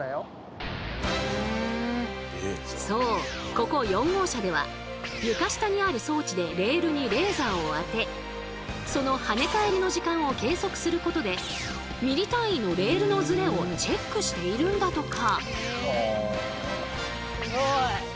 ここ４号車では床下にある装置でレールにレーザーを当てそのはね返りの時間を計測することでミリ単位のレールのズレをチェックしているんだとか。